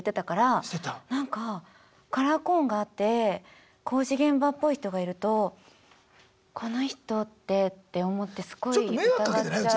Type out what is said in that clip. なんかカラーコーンがあって工事現場っぽい人がいるとこの人ってって思ってすごい疑っちゃう。